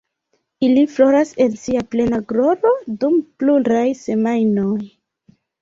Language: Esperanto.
Ili floras en sia plena gloro dum pluraj semajnoj.